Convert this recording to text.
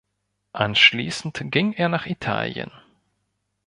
Anschließend ging er nach Italien.